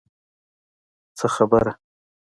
څه خبره.